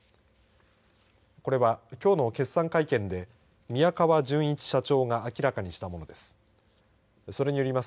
これはきょうの決算会見で宮川潤一社長が明らかにしたものです。